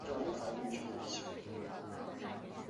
埃奇以任命赫格为州最高法院书记来奖赏他。